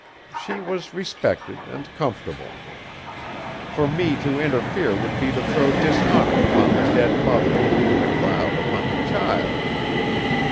She was respected and comfortable. For me to interfere would be to throw dishonor upon the dead mother and a cloud upon the child.